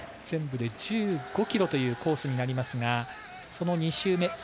全部で１５ｋｍというコースになりますがその２周目。